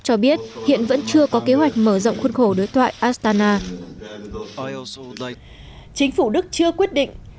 cho biết hiện vẫn chưa có kế hoạch mở rộng khuôn khổ đối thoại astana chính phủ đức chưa quyết định